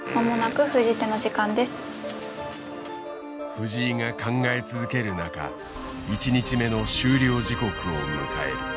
藤井が考え続ける中１日目の終了時刻を迎える。